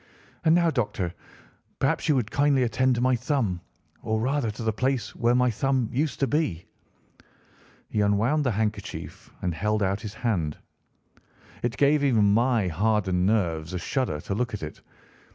"And now, Doctor, perhaps you would kindly attend to my thumb, or rather to the place where my thumb used to be." He unwound the handkerchief and held out his hand. It gave even my hardened nerves a shudder to look at it.